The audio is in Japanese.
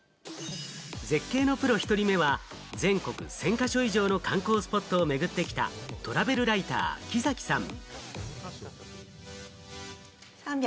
絶景のプロ１人目は全国１０００か所以上の観光スポットを巡ってきたトラベルライター・木崎さん。